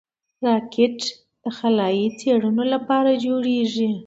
راکټ د خلایي څېړنو لپاره جوړېږي